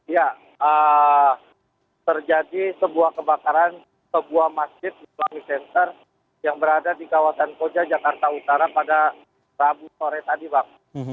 ya terjadi sebuah kebakaran sebuah masjid islamic center yang berada di kawasan koja jakarta utara pada rabu sore tadi bang